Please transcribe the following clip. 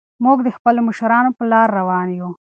موږ د خپلو مشرانو په لارو روان یو.